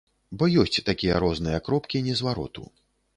Бо ёсць такія розныя кропкі незвароту.